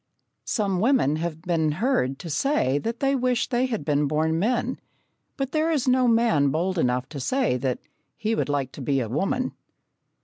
Some women have been heard to say that they wish they had been born men, but there is no man bold enough to say that he would like to be a woman.